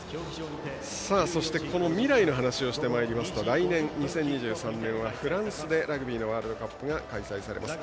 そして未来の話をしてまいりますと来年、２０２３年はフランスでラグビーのワールドカップが開催されます。